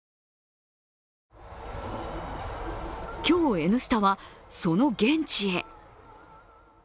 今日、「Ｎスタ」はその現地へ。